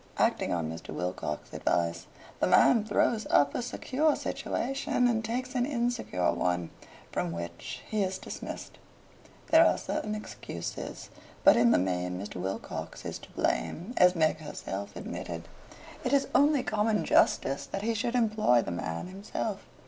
Acting on Mr. Wilcox's advice, the man throws up a secure situation and takes an insecure one, from which he is dismissed. There are certain excuses, but in the main Mr. Wilcox is to blame, as Meg herself admitted. It is only common justice that he should employ the man himself.